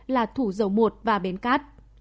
là thủ dầu một và bến cát